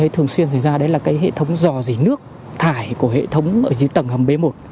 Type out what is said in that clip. thường xuyên xảy ra đấy là cái hệ thống dò dỉ nước thải của hệ thống ở dưới tầng hầm b một